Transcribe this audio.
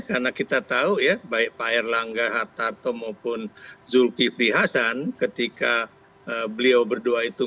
karena kita tahu ya baik pak erlangga hartarto maupun zulkifli hasan ketika beliau berdua itu